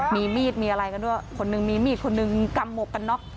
มีมีดมีอะไรกันด้วยคนหนึ่งมีมีดคนหนึ่งกำหมวกกันน็อก